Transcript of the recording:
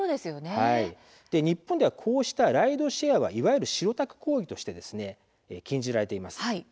日本では、こうしたライドシェアはいわゆる白タク行為として禁じられています。